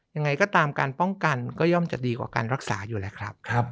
ยังไงก็ตามการป้องกันก็ย่อมจะดีกว่าการรักษาอยู่แล้วครับ